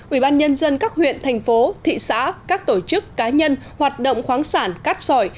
ubnd các huyện thành phố thị xã các tổ chức cá nhân hoạt động khoáng sản cát sỏi